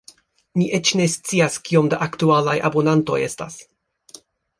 Ni eĉ ne scias kiom da aktualaj abonantoj estas.